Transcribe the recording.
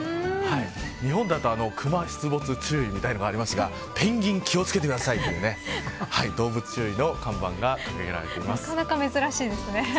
日本だと、クマ出没注意というのがありますがペンギン、気を付けてくださいという動物注意の看板が掲げられています。